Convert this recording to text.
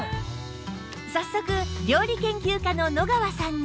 早速料理研究家の野川さんに